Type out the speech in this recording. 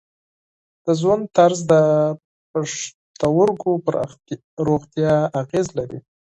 د ژوند طرز د پښتورګو پر روغتیا اغېز لري.